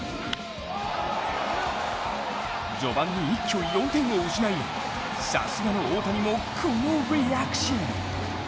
序盤に、一挙４点を失いさすがの大谷もこのリアクション。